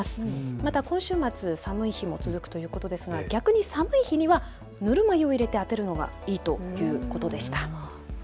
また今週末、寒い日も続くということですが逆に寒い日にはぬるま湯を入れて当てるのがいいということでした。